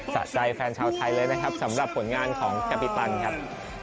สะใจแฟนชาวไทยเลยนะครับสำหรับผลงานของกาปิตันครับ